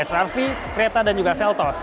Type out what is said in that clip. hr v creta dan juga seltos